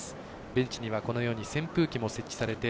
ベンチには、扇風機も設置されて。